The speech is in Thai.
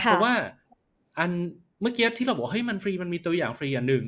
เพราะว่าอันเมื่อกี้ที่เราบอกเฮ้ยมันฟรีมันมีตัวอย่างฟรีอย่างหนึ่ง